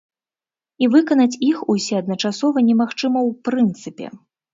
І выканаць іх усе адначасова немагчыма ў прынцыпе.